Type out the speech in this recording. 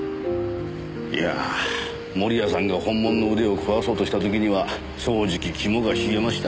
いや盛谷さんが本物の腕を壊そうとした時には正直肝が冷えました。